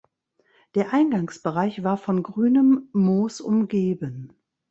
Der Eingangsbereich war von grünem Moos umgeben.